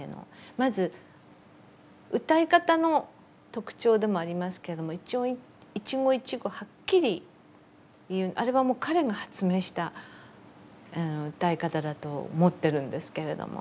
まず歌い方の特徴でもありますけれども一語一語はっきり言うあれはもう彼が発明した歌い方だと思ってるんですけれども。